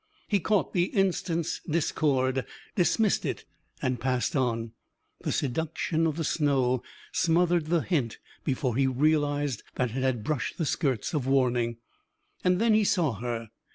He caught the instant's discord, dismissed it, and passed on. The seduction of the snow smothered the hint before he realised that it had brushed the skirts of warning. And then he saw her.